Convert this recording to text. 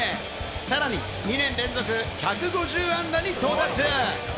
さらに２年連続１５０安打に到達。